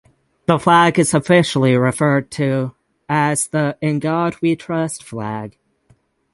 The flag is officially referred to as the "In God We Trust Flag".